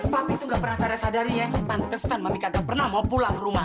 papi tuh gak pernah tersadari ya tantesan mami kagak pernah mau pulang ke rumah